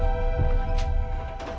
dia sudah berakhir